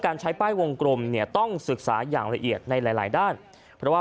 ใช้ป้ายวงกลมเนี่ยต้องศึกษาอย่างละเอียดในหลายด้านเพราะว่า